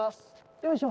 よいしょ